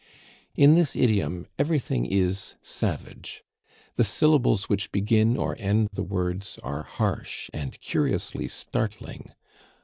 In this idiom everything is savage. The syllables which begin or end the words are harsh and curiously startling.